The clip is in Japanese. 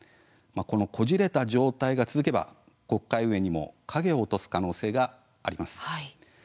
この、こじれた状態が続けば国会運営にも影を落とす可能性があります。